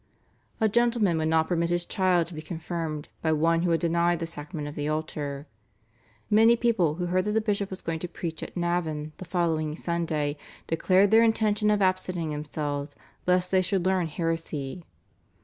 A gentleman would not permit his child to be confirmed by one who had denied the Sacrament of the Altar. Many people who heard that the bishop was going to preach at Navan the following Sunday declared their intention of absenting themselves lest they should learn heresy.